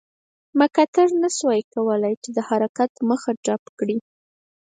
مک ارتر نه شوای کولای چې د حرکت مخه ډپ کړي.